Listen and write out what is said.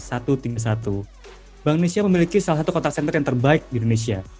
bank indonesia memiliki salah satu kotak center yang terbaik di indonesia